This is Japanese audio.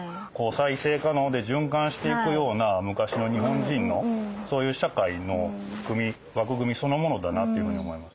再生可能で循環していくような昔の日本人のそういう社会の枠組みそのものだなというふうに思います。